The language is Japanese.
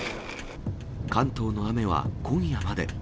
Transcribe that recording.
関東の雨は今夜まで。